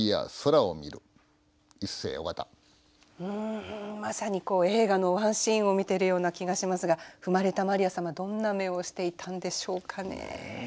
うんまさに映画のワンシーンを見ているような気がしますが踏まれたマリア様どんな目をしていたんでしょうかね。